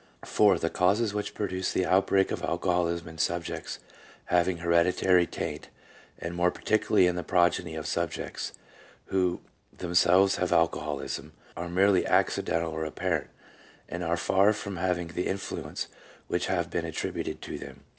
"4. The causes which produce the outbreak of alcoholism in subjects having hereditary taint, and more particularly in the progeny of subjects who themselves have alcoholism, are merely accidental or apparent, and are far from having the influence which has been attributed to them.